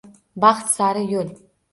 Baxt sari yo’l yo’q.